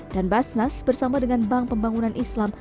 dan basnas bersama dengan bank pembangunan islam